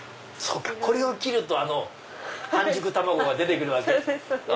これを切るとあの半熟卵が出て来る。